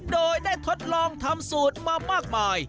โดยได้ทดลองทำสูตรมามากมาย